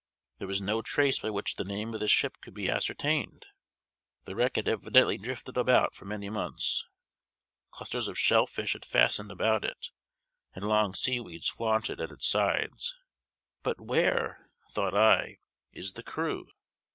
There was no trace by which the name of the ship could be ascertained. The wreck had evidently drifted about for many months; clusters of shell fish had fastened about it, and long sea weeds flaunted at its sides. But where, thought I, is the crew?